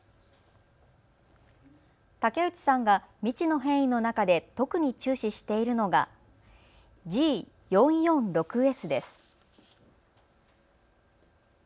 武内さんが未知の変異の中で特に注視しているのがＧ４４６Ｓです。